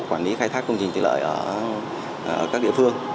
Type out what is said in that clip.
quản lý khai thác công trình thủy lợi ở các địa phương